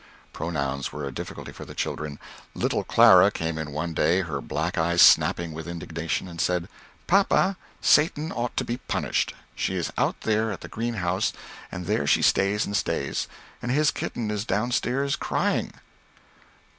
Pronouns were a difficulty for the children. Little Clara came in one day, her black eyes snapping with indignation, and said, "Papa, Satan ought to be punished. She is out there at the greenhouse and there she stays and stays, and his kitten is down stairs crying."